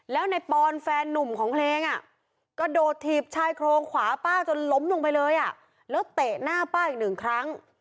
แล้วในปอนแฟนนุ่มของเพลงกระโดดถีบชายโครงขวาป้าจนล้มลงไปเลยแล้วเตะหน้าป้าอีกหนึ่งครั้ง